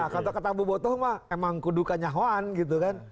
kata kata bu botoh emang kudukannya hoan gitu kan